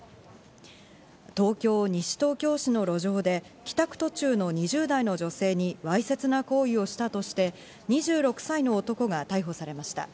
東京・西東京市の路上で、帰宅途中の２０代の女性にわいせつな行為をしたとして２６歳の男が逮捕されました。